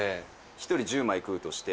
一人１０枚食うとして。